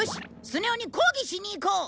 スネ夫に抗議しに行こう！